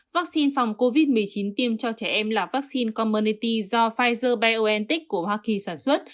vaccine phòng covid một mươi chín tiêm cho trẻ em là vaccine commernity do pfizer biontech của hoa kỳ sản xuất